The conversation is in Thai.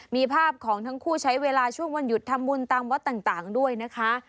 มีภาพของทั้งคู่ใช้เวลาช่วงวันหยุดทำบุญตามวัดต่างด้วยนะคะ